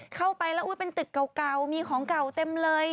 เข้าไปแล้วเป็นตึกเก่ามีของเก่าเต็มเลย